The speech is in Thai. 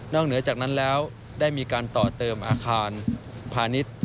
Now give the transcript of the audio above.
เหนือจากนั้นแล้วได้มีการต่อเติมอาคารพาณิชย์